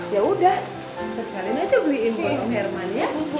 yaudah kasih kalian aja beliin buat om herman ya